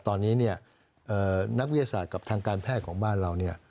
ตอนนี้เนี่ยนักวิทยาศาสตร์กับทางการแพทย์ของบ้านเราเนี่ย